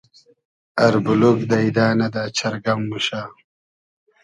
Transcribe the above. اربولوگ دݷدۂ نۂ , دۂ چئرگئم موشۂ